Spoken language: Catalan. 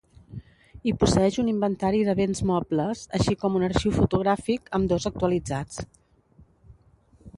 I posseeix un inventari de béns mobles, així com un arxiu fotogràfic, ambdós actualitzats.